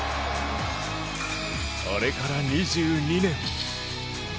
あれから２２年。